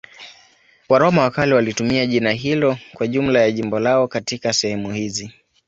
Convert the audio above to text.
Waroma wa kale walitumia jina hilo kwa jumla ya jimbo lao katika sehemu hizi.